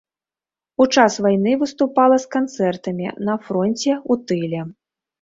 У час вайны выступала з канцэртамі на фронце, у тыле.